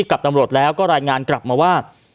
กับตำรวจแล้วก็รายงานกลับมาว่า